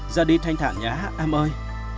ra đi thanh thản nhé em ơi